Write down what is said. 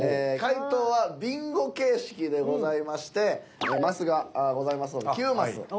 解答はビンゴ形式でございましてマスがございますので９マス。